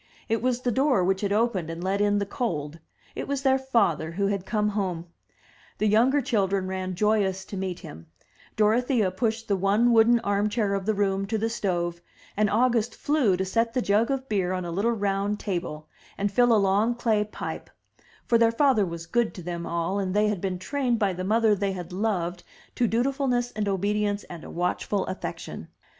It was the door which had opened and let in the cold; it was their father who had come home. The younger children ran joyous to meet him, Dorothea pushed the one wooden arm chair of the room to the stove, and August flew to set the jug of beer on a little round table, and fill a long clay pipe; for their father was good to them all, and they had been trained by the mother they had loved to dutifulness and obedience and a watchful affection.